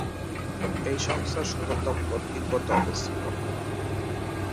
এই সংস্থার সদর দপ্তর তিব্বতে অবস্থিত।